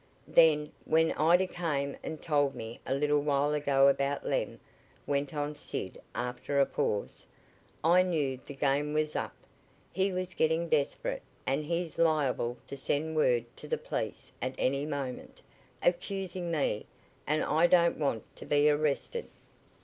"Then, when Ida came and told me a little while ago about Lem," went on Sid after a pause, "I knew the game was up. He was getting desperate, and he's liable to send word to the police at any moment, accusing me, and I don't want to be arrested."